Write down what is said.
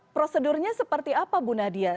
prosedurnya seperti apa bu nadia